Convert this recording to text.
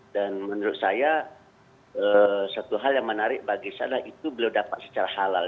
dan menurut saya satu hal yang menarik bagi saya adalah itu beliau dapat secara halal